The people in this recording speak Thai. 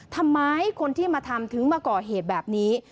ทำไมคนที่มาทำถึงมาก่อเหตุแบบนี้